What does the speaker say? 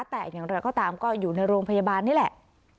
แต่อย่างไรก็ตามก็อยู่ในโรงพยาบาลนี่แหละ